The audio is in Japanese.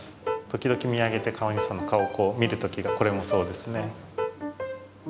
時々見上げて飼い主さんの顔を見る時がこれもそうですね。